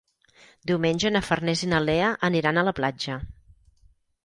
Diumenge na Farners i na Lea aniran a la platja.